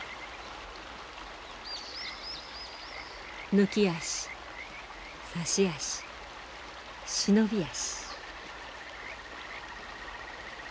抜き足差し足忍び足。